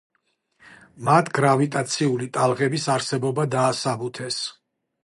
მათ გრავიტაციული ტალღების არსებობა დაასაბუთეს.